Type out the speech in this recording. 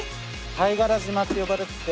貝殻島って呼ばれてて。